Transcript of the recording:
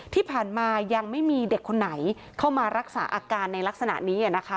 ที่ผ่านมายังไม่มีเด็กคนไหนเข้ามารักษาอาการในลักษณะนี้นะคะ